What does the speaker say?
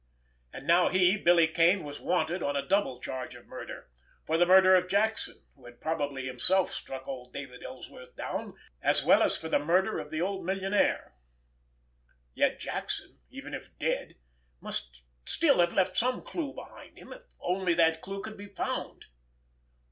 And now he, Billy Kane, was "wanted" on a double charge of murder—for the murder of Jackson, who had probably himself struck old David Ellsworth down, as well as for the murderer of the old millionaire! Yet Jackson, even if dead, must still have left some clue behind him, if only that clue could be found.